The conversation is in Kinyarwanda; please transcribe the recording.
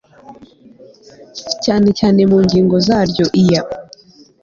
cyane cyane mu ngingo zaryo iya